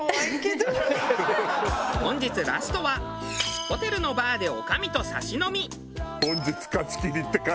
本日ラストはホテルのバーで女将とサシ飲み。